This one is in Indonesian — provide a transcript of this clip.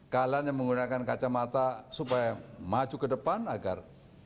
kalian yang menggunakan kacamata supaya maju ke depan agar